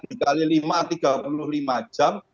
dikali lima tiga puluh lima jam